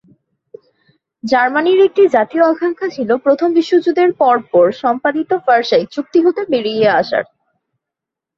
জার্মানির একটি জাতীয় আকাঙ্ক্ষা ছিল প্রথম বিশ্বযুদ্ধের পরপর সম্পাদিত ভার্সাই চুক্তি হতে বেরিয়ে আসার।